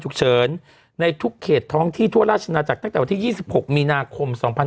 ฉุกเชิญในทุกเขตท้องที่ทั่วราชนาจักรตั้งแต่วันที่ยี่สิบหกมีนาคมสองพัน